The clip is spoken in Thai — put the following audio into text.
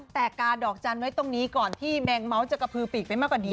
แต่กาดอกจันทร์ไว้ตรงนี้ก่อนที่แมงเม้าจะกระพือปีกไปมากกว่านี้